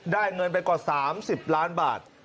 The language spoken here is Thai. เงินไปกว่า๓๐ล้านบาท